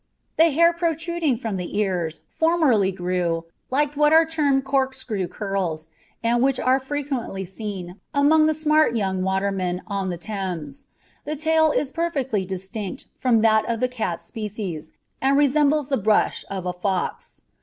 The Hair protruding from the Ears, formerly grew, like what are termed Cork screw Curls, and which are frequently seen, among the smart young Watermen, on the Thames; the Tail is perfectly distinct, from that of the Cat Species, and resembles the Brush of a Fox.